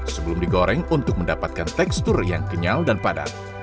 sebelum digoreng untuk mendapatkan tekstur yang kenyal dan padat